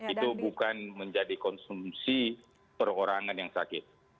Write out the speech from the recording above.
itu bukan menjadi konsumsi perorangan yang sakit